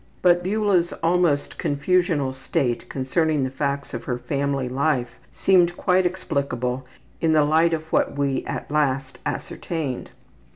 But Beula's almost confusional state concerning the facts of her family life seemed quite explicable in the light of what we at last ascertained.